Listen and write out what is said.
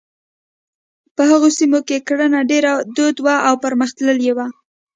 په هغو سیمو کې کرنه ډېره دود وه او پرمختللې وه.